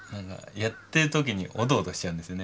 やってる時におどおどしちゃうんですよね